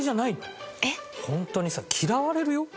ホントにさ嫌われるよ？